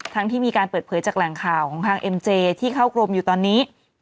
ที่มีการเปิดเผยจากแหล่งข่าวของทางเอ็มเจที่เข้ากรมอยู่ตอนนี้